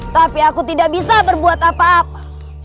tapi aku tidak bisa berbuat apa apa